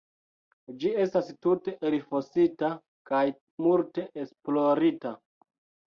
Ĝi estas tute elfosita kaj multe esplorita.